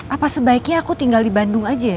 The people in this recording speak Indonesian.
apa sebaiknya aku tinggal di bandung aja ya